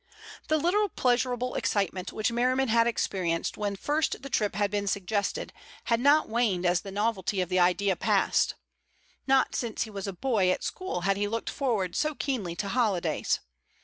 The little pleasurable excitement which Merriman had experienced when first the trip had been suggested had not waned as the novelty of the idea passed. Not since he was a boy at school had he looked forward so keenly to holidays.